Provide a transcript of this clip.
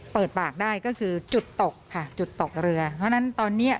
เปิดปากได้ก็คือจุดตกค่ะจุดตกเรือเพราะฉะนั้นตอนเนี้ย